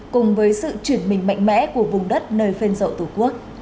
cùng với sự chuyển mình mạnh mẽ của vùng đất nơi phên rậu tổ quốc